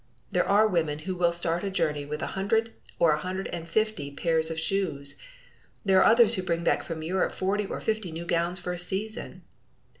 There are women who will start on a journey with a hundred or a hundred and fifty pairs of shoes. There are others who bring back from Europe forty or fifty new gowns for a season!